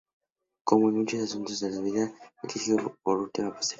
Como en muchos de los asuntos de su vida, Walker eligió esta última postura.